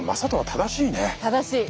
正しい！